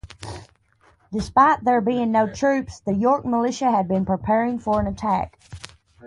Despite there being no troops the York Militia had been preparing for an attack.